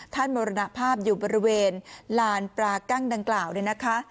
มรณภาพอยู่บริเวณลานปลากั้งดังกล่าวเนี่ยนะคะ